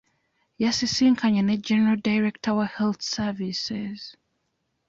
Yasisinkanye ne General Director wa health Services.